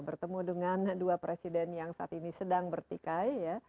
bertemu dengan dua presiden yang saat ini sedang bertikai ya